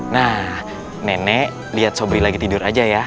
nah nenek lihat sobri lagi tidur aja ya